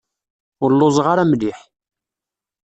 Ur lluẓeɣ ara mliḥ.